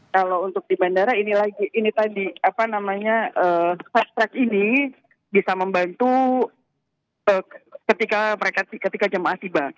kalau untuk di bandara ini lagi ini tadi apa namanya fast track ini bisa membantu ketika jemaah tiba